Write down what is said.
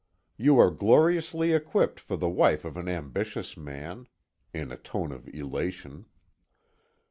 You are gloriously equipped for the wife of an ambitious man," in a tone of elation.